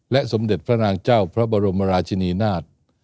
สมเด็จพระนางเจ้าพระบรมราชินีนาฏ